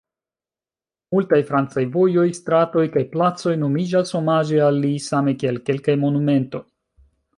Multaj francaj vojoj, stratoj kaj placoj nomiĝas omaĝe al li, same kiel kelkaj monumentoj.